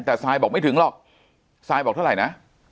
แต่ซายบอกไม่ถึงหรอกซายบอกเท่าไหร่นะ